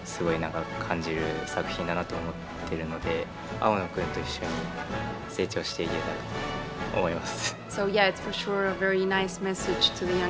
青野くんと一緒に成長していけたらと思います。